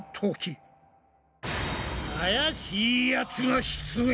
怪しいやつが出現！